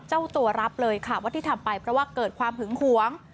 เจ้าตัวรับเลยค่ะว่าที่ทำไปเพราะว่าเกิดความหึงหวง